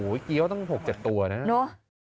อุ๊ยกี๊ว่าต้อง๖๗ตัวนะ